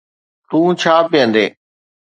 تون ڇا پيئندين